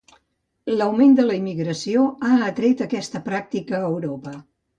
L'augment de la immigració ha atret aquesta pràctica a Europa.